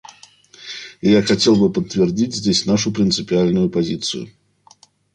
Я хотел бы подтвердить здесь нашу принципиальную позицию.